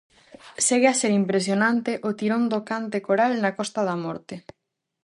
Segue a ser impresionante o tirón do cante coral na Costa da Morte.